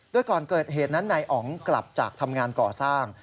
โดยก่อนเกิดเหตุนั้นนายอ๋องกลับจากทำงานก่อสร้าง